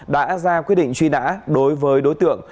đã ra quyết định truy nã đối với đối tượng